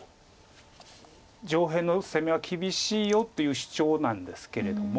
上辺の攻めは厳しいよという主張なんですけれども。